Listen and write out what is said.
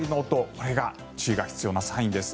これが注意が必要なサインです。